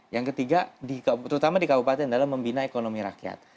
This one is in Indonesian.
yang ketiga terutama di kabupaten dalam membina ekonomi rakyat